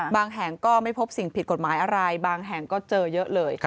แห่งก็ไม่พบสิ่งผิดกฎหมายอะไรบางแห่งก็เจอเยอะเลย